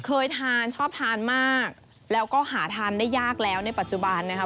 เคยทานชอบทานมากแล้วก็หาทานได้ยากแล้วในปัจจุบันนะครับ